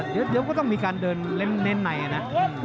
เดี๋ยวก็ต้องมีการเดินเน้นในนะ